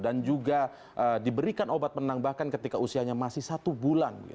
juga diberikan obat penenang bahkan ketika usianya masih satu bulan